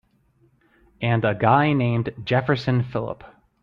And a guy named Jefferson Phillip.